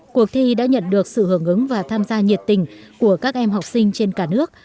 cuộc thi đã nhận được sự hưởng ứng và tham gia nhiệt tình của các em học sinh trên cả nước